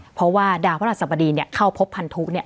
เพราะว่าดาวรสบดีเนี้ยเข้าพบพันธุเนี้ย